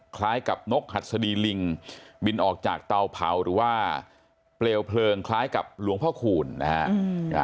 คล้ายกับนกหัดสดีลิงบินออกจากเตาเผาหรือว่าเปลวเพลิงคล้ายกับหลวงพ่อคูณนะฮะ